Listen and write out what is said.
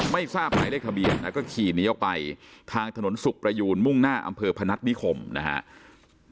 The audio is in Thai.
ไม่ทราบภายเลขทะเบียนก็ขี่นิยวไปทางถนนสุกประยูนมุ่งหน้าอำเภอพนัฐบิคมนะฮะ